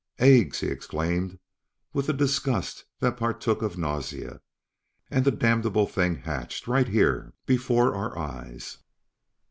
"Eggs!" he exclaimed with a disgust that partook of nausea, "And the damnable thing hatched right here! before our eyes!"